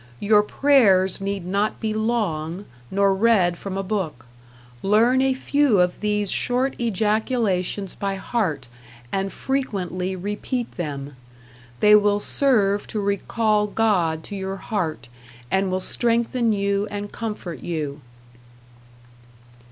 Your prayers need not be long nor read from a book. Learn a few of these short ejaculations by heart and frequently repeat them. They will serve to recall God to your heart and will strengthen you and comfort you.